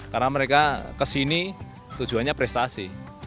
karena mereka kesini tujuannya prestasi